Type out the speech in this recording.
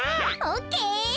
オッケー。